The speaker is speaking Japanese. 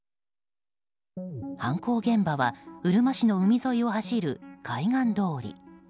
犯行現場はうるま市の海沿いを走る海岸通り。